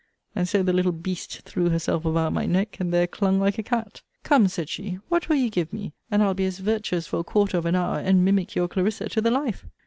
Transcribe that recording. and so the little beast threw herself about my neck, and there clung like a cat. Come, said she, what will you give me, and I'll be as virtuous for a quarter of an hour, and mimic your Clarissa to the life?